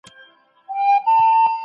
څارنه لا هم روانه ده.